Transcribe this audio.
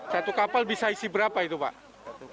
satu kapal bisa isi berapa itu pak